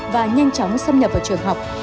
và nhanh chóng xâm nhập vào trường học